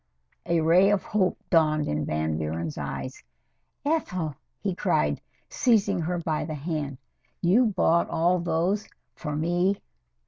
A ray of hope dawned in Van Buren's eyes. "Ethel!" he cried, seising her by the hand. "You bought all those for me?"